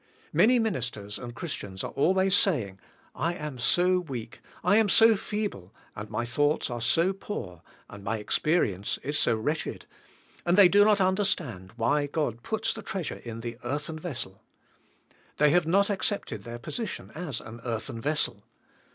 Many ministers and Christians are always saying, I am so weak, I am so feeble, and my thoughts are so poor, and my experience is so wretched, and they do not under stand why God puts the treasure in the earthen ves sel. They have not accepted their position, as an earthen vessel.